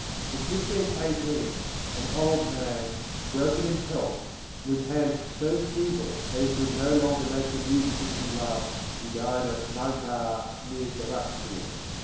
In 1518, an old man, broken in health, and with hands so feeble that he could no longer make the music which he loved, he died at Maghar near Gorakhpur.